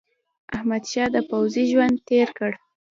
احمدشاه د پوځي ژوند تېر کړ.